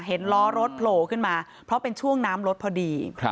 ล้อรถโผล่ขึ้นมาเพราะเป็นช่วงน้ำรถพอดี